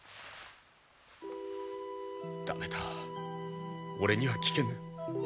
駄目だ俺には聞けぬ。